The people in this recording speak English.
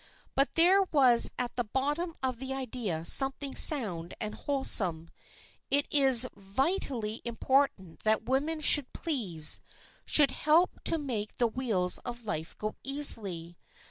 But there was at the bottom of the idea something sound and wholesome. It is vitally important that women should please, should help to make the wheels of life go easily.